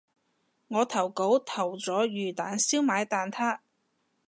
我投稿投咗魚蛋燒賣蛋撻